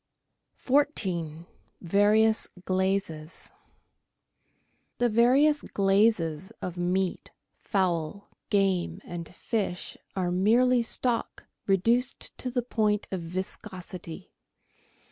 14— VARIOUS GLAZES The various glazes of meat, fowl, game, and fish are merely stock reduced to the point of viscosity.